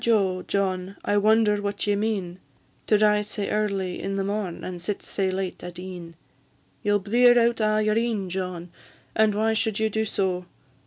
John Anderson, my jo, John, I wonder what ye mean, To rise sae early in the morn, And sit sae late at e'en; Ye 'll blear out a' your een, John, And why should you do so?